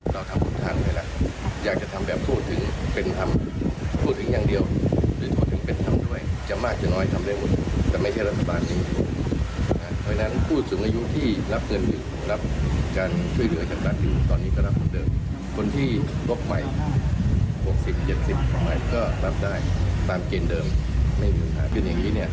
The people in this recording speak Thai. ลบใหม่๖๐๗๐ก็ตามได้ตามเกณฑ์เดิมไม่มีสุขาขึ้นอย่างนี้